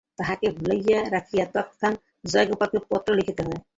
তাহাকে ভুলাইয়া রাখিয়া তৎক্ষণাৎ জয়গোপালকে পত্র লিখিলেন।